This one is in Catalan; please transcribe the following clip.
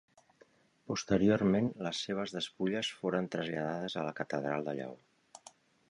Posteriorment les seves despulles foren traslladades a la catedral de Lleó.